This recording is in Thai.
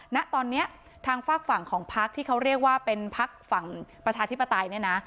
ณตอนนี้ทางฝากฝั่งของพักที่เขาเรียกว่าเป็นพักฝั่งประชาธิปไตยเนี่ยนะ